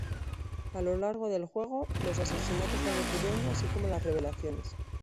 A lo largo del juego, los asesinatos van ocurriendo así como las revelaciones.